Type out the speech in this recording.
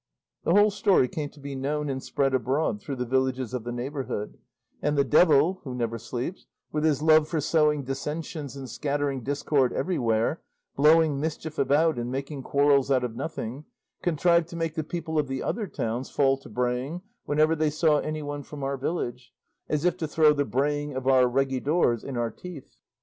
The whole story came to be known and spread abroad through the villages of the neighbourhood; and the devil, who never sleeps, with his love for sowing dissensions and scattering discord everywhere, blowing mischief about and making quarrels out of nothing, contrived to make the people of the other towns fall to braying whenever they saw anyone from our village, as if to throw the braying of our regidors in our teeth.